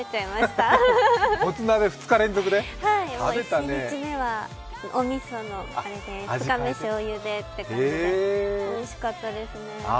１日目はおみそで２日目しょうゆでって感じでおいしかったですね。